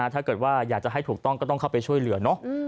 ถ้าอยากให้ถูกต้องก็ต้องเข้าไปช่วยเหลือ